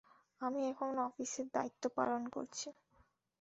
আমি এখন অফিসের দায়িত্ব পালন করছি।